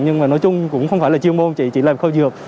nhưng mà nói chung cũng không phải là chuyên môn chị chị làm kho dược